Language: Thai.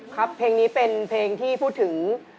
ครับเพลงนี้เป็นเพลงที่พูดถึง